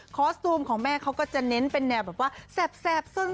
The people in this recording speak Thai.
คอสตูมของแม่เขาจะเน้นแบบแสบส่น